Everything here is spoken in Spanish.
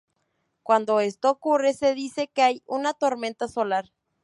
Cuando esto ocurre, se dice que hay una tormenta solar.